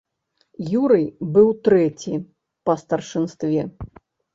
Юрый быў трэці па старшынстве.